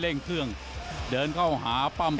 กับมวยกุ้นแรกผ่านไปนะครับ